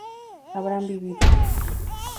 habrán vivido